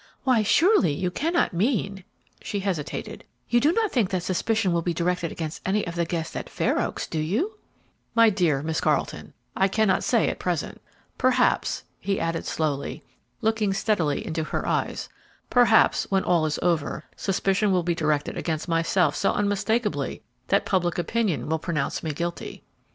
"Why, surely, you cannot mean " she hesitated. "You do not think that suspicion will be directed against any of the guests at Fair Oaks, do you?" "My dear Miss Carleton, I cannot say at present. Perhaps," he added, slowly, looking steadily into her eyes, "perhaps, when all is over, suspicion will be directed against myself so unmistakably that public opinion will pronounce me guilty."